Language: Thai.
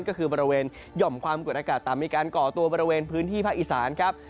ก็คือบริเวณหย่อมความกดอากาศต่ำมีการก่อตัวบริเวณพื้นที่ภาคอีสานครับ